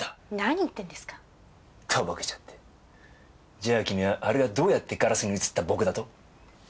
じゃあ君はあれがどうやってガラスに映った僕だと？